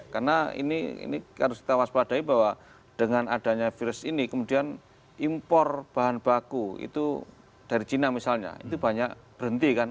karena ini harus kita waspadai bahwa dengan adanya virus ini kemudian impor bahan baku itu dari china misalnya itu banyak berhenti kan